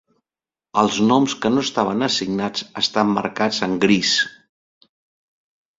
Els noms que no estaven assignats estan marcats en gris.